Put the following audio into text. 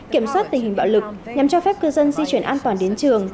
kiểm soát tình hình bạo lực nhằm cho phép cư dân di chuyển an toàn đến trường